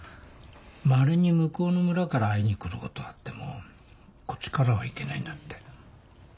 まれに向こうの村から会いに来ることはあってもこっちからは行けないんだって。